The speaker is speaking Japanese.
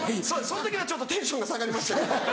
その時はちょっとテンションが下がりましたけど。